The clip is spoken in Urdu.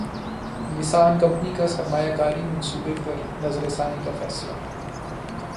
نسان کمپنی کا سرمایہ کاری منصوبے پر نظرثانی کا فیصلہ